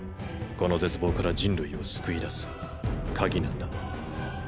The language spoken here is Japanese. この絶望から人類を救い出す「鍵」なんだ。